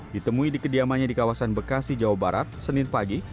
ditemui di kediamannya di kawasan bekasi jawa barat senin pagi